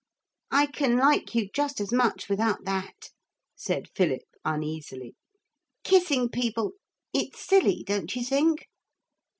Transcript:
'I can like you just as much without that,' said Philip uneasily. 'Kissing people it's silly, don't you think?'